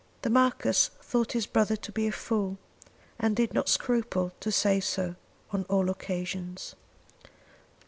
The Marquis thought his brother to be a fool, and did not scruple to say so on all occasions.